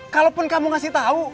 kalaupun kamu ngasih tau